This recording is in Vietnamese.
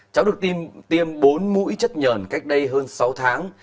cháu được tiêm bốn mũi chất nhờn cách đây hơn sáu tháng